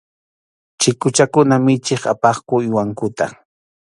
Chikuchakuna michiq apaqku uywankuta.